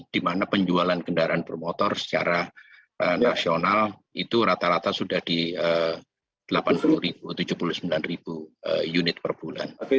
di mana penjualan kendaraan bermotor secara nasional itu rata rata sudah di delapan puluh tujuh puluh sembilan ribu unit per bulan